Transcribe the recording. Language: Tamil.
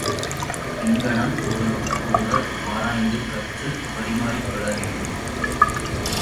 இங்ஙனம் ஒருவர்க்கொருவர் ஆராய்ந்து கற்றுப் பரிமாறிக் கொள்ளவேண்டும்.